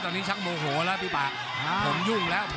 ตอนนี้ชักโมโหแล้วพี่ป่าผมยุ่งแล้วผมยุ่งแล้ว